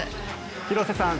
広瀬さん